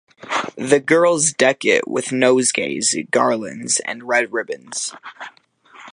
The girls deck it with nosegays, garlands, and red ribbons.